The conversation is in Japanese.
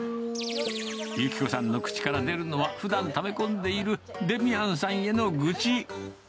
由希子さんの口から出るのは、ふだんため込んでいるデミアンさんへの愚痴。